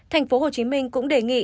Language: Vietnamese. thành phố hồ chí minh cũng đề nghị